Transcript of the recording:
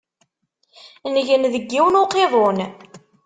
Ngen deg yiwen n uqiḍun.